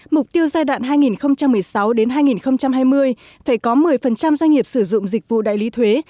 mục tiêu giai đoạn hai nghìn một mươi sáu hai nghìn hai mươi phải có một mươi doanh nghiệp sử dụng dịch vụ đại lý thuế